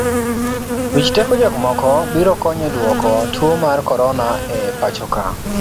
Wich teko jok moko biro konyo duoko tuo mar korona e pachoka.